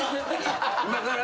今から。